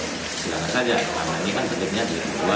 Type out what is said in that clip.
silahkan saja karena ini kan ketiknya jadi kebuahan